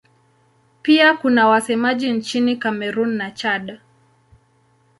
Pia kuna wasemaji nchini Kamerun na Chad.